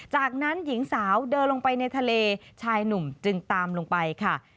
จากนั้นหญิงสาวเดินลงไปในทะเลชายหนุ่มจึงตามลงไปค่ะ